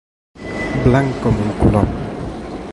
Blanc com un colom.